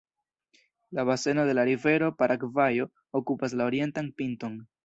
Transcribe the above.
La baseno de la rivero Paragvajo okupas la orientan pinton.